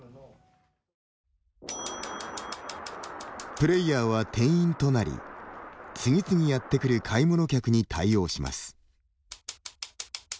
プレーヤーは店員となり次々やってくる買い物客に対応します。